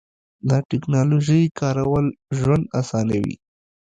د تکنالوژۍ کارول ژوند اسانوي.